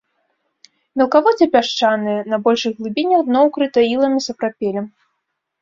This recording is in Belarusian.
Мелкаводдзе пясчанае, на большых глыбінях дно укрыта ілам і сапрапелем.